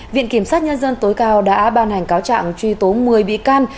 viện kiểm sát nhân dân tối cao đã ban hành cáo trạng truy tố một mươi bị can